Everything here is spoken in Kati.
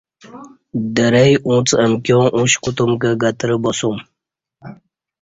درئ اونڅ امکیاں اوش کوتوم کہ گترہ باسوم